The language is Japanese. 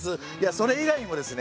それ以外にもですね